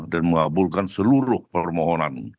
dan mengabulkan seluruh permohonan